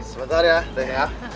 sebentar ya teh